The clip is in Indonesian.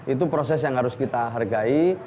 itu proses yang harus kita hargai